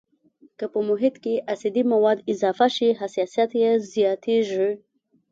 که په محیط کې اسیدي مواد اضافه شي حساسیت یې زیاتیږي.